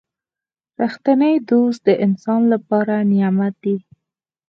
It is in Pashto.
• رښتینی دوست د انسان لپاره نعمت دی.